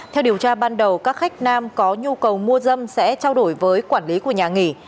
theo điều tra ban đầu các khách nam có nhu cầu mua dâm sẽ trao đổi với quản lý của nhà nghỉ